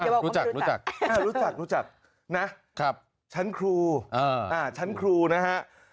อ่ารู้จักรู้จักอ่ารู้จักรู้จักนะครับชั้นครูอ่าชั้นครูนะฮะ